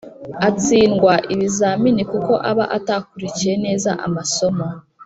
atsindwa ibizami kuko aba atakurikiye neza amasomo.